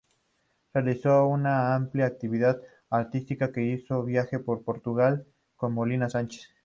Realizó una amplísima actividad artística e hizo un viaje por Portugal con Molina Sánchez.